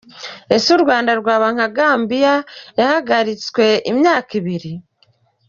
Ese u Rwanda rwaba nka Gambia yahagaritswe imyaka ibiri ?.